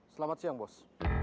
selamat siang bos